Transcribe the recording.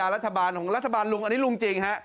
รัฐบาลของรัฐบาลลุงอันนี้ลุงจริงฮะ